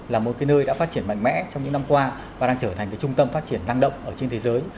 là một cái nơi đã phát triển mạnh mẽ trong những năm qua và đang trở thành trung tâm phát triển năng động ở trên thế giới